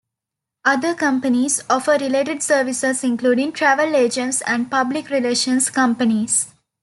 Other companies offer related services including travel agents and public relations companies.